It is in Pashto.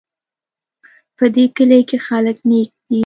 په دې کلي کې خلک نیک دي